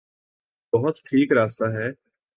یہی ٹھیک راستہ ہے۔